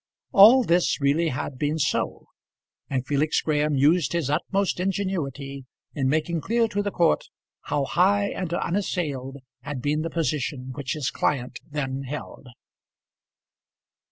All this really had been so, and Felix Graham used his utmost ingenuity in making clear to the court how high and unassailed had been the position which his client then held.